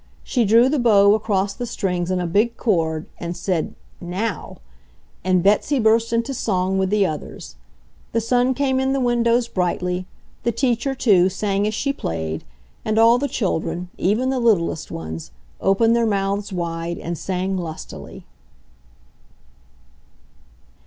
She drew the bow across the strings in a big chord, and said, "NOW," and Betsy burst into song with the others. The sun came in the windows brightly, the teacher, too, sang as she played, and all the children, even the littlest ones, opened their mouths wide and sang lustily.